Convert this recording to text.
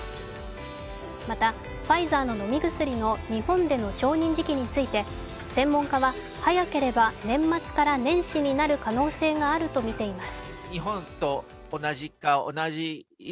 また、ファイザーの飲み薬の日本での承認時期について専門家は早ければ年末から年始になる可能性があるとみています。